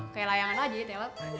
kayak layangan aja ya telap